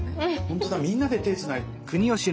ほんとだみんなで手つないで。